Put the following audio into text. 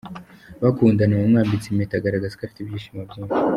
bakundana wamwambitse impeta agaragaza ko afite ibyishimo byinshi.